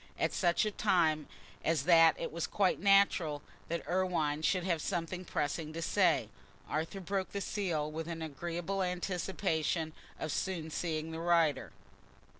At such a time as that it was quite natural that Irwine should have something pressing to say. Arthur broke the seal with an agreeable anticipation of soon seeing the writer.